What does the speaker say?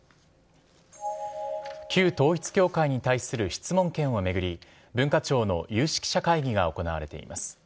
旧統一教会に対する質問権を巡り、文化庁の有識者会議が行われています。